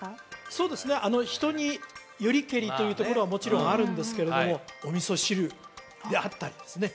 そうですね人によりけりというところはもちろんあるんですけれどもお味噌汁であったりですね